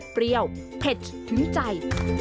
เปรี้ยวเผ็ดถึงใจ